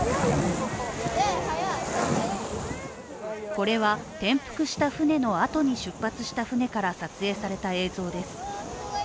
これは転覆した舟のあとに出発した舟から撮影された映像です。